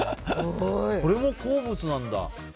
これも鉱物なんだ。